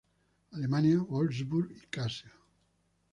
Alemania, Wolfsburg y Kassel.